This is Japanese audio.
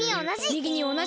みぎにおなじ！